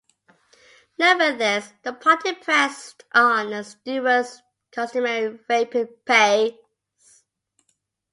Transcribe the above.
Nevertheless, the party pressed on at Stuart's customary rapid pace.